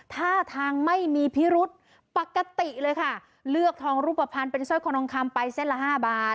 ท่าทางไม่มีพิรุษปกติเลยค่ะเลือกทองรูปภัณฑ์เป็นสร้อยคอทองคำไปเส้นละห้าบาท